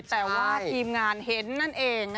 แต่ว่าทีมงานเห็นนั่นเอง